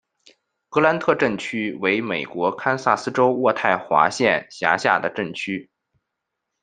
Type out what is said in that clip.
格兰特镇区为美国堪萨斯州渥太华县辖下的镇区。